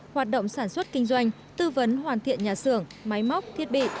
hoạt động sản xuất kinh doanh tư vấn hoàn thiện nhà xưởng máy móc thiết bị